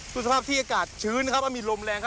ส่วนสภาพที่อากาศชื้นนะครับมีลมแรงครับ